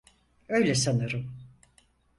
Öyle sanırım.